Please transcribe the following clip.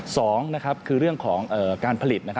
สองคือเรื่องของการผลิต